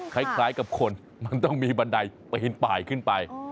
คล้ายกับคนมันต้องมีบันไดปีนป่ายขึ้นไป